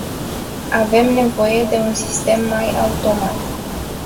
Avem nevoie de un sistem mai automat.